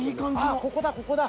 あぁここだここだ。